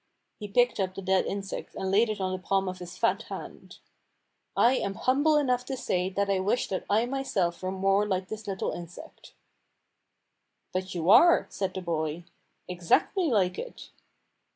He picked up the dead insect and laid it on the palm of his fat hand. "I am humble enough to say that I wish that I myself were more like this little insect." THE CURATE, THE BOY, THE BEE 337 "But you are," said the boy. "Exactly like it."